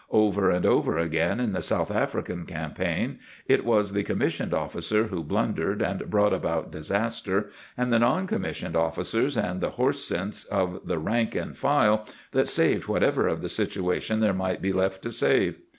Over and over again in the South African campaign it was the commissioned officer who blundered and brought about disaster, and the non commissioned officers and the horse sense of the rank and file that saved whatever of the situation there might be left to save.